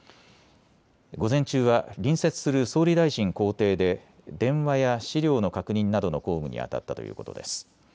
午前中は隣接する総理大臣公邸で電話や資料の確認などの公務にあたったということです。